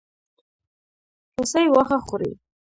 هوسۍ واښه خوري.